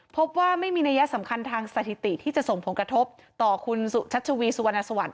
พบว่าไม่มีนัยสำคัญทางสถิติที่จะส่งผลกระทบต่อคุณสุชัชวีสุวรรณสวัสดิ